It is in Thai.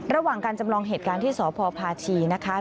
ระหว่างการจำลองเหตุการณ์ที่สพพาชีนะคะ